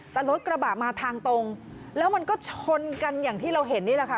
แต่รถกระบะมาทางตรงแล้วมันก็ชนกันอย่างที่เราเห็นนี่แหละค่ะ